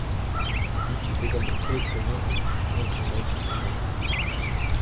Il fut également sélectionneur de l'équipe nationale du Mozambique.